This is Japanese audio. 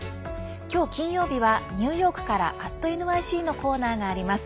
今日、金曜日はニューヨークから「＠ｎｙｃ」のコーナーがあります。